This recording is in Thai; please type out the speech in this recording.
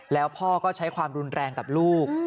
แล้วพ่อก็ใช้ความรุนแรงกับลูก